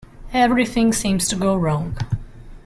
Everything seems to go wrong.